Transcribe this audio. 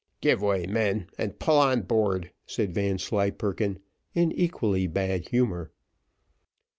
"Give way, men, and pull on board," said Vanslyperken, in equally bad humour.